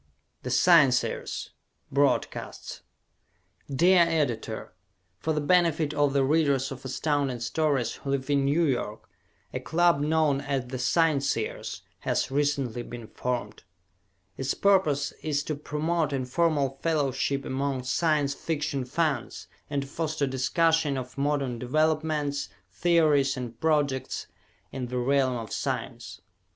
"The Scienceers" Broadcasts Dear Editor: For the benefit of the readers of Astounding Stories who live in New York, a club known as The Scienceers has recently been formed. Its purpose is to promote informal fellowship among Science Fiction fans and to foster discussion of modern developments, theories and projects in the realm of science.